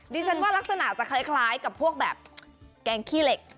ดิฉันว่ารักษณะจะคล้ายกับพวกแบบแกงขี้เหล็ก